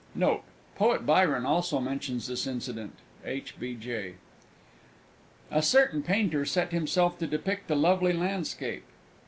Note. Poet Byron also mentions this incident. H. B. J. A certain Painter set himself to depict a lovely landscape.